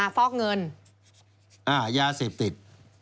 ฟอกเงินยาเสพติด